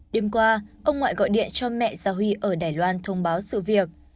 đêm qua ông ngoại gọi điện cho mẹ gia huy ở đài loan thông báo sự việc